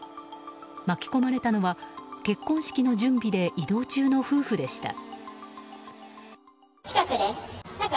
巻き込まれたのは結婚式の準備で移動中の夫婦でした。